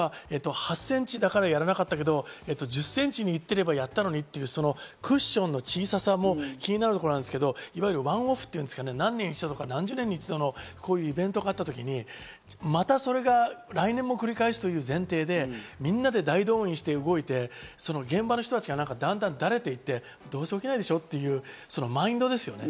８センチだからやらなかったけど、１０センチに行ってればやったのにっていうクッションの小ささも気になるところですけど、ワンオフっていうんですかね、何十年に一度とかのイベントがあった時に、またそれが来年も繰り返すという前提で、みんなで大動員して動いて、現場の人たちがだんだん慣れて行って、そういうマインドですよね。